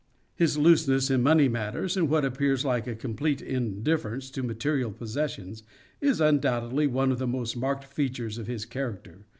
His looseness in money matters, and what appears like a complete indifference to material possessions, is undoubtedly one of the most marked features of his character.